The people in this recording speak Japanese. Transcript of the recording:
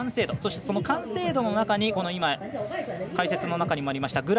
そして完成度の中に解説の中にもありました